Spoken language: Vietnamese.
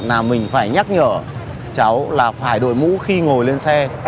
là mình phải nhắc nhở cháu là phải đội mũ khi ngồi lên xe